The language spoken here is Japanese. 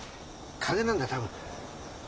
風邪なんだ多分。